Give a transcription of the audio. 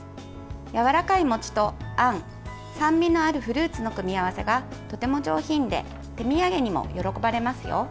やわらかい餅とあん酸味のあるフルーツの組み合わせがとても上品で手土産にも喜ばれますよ。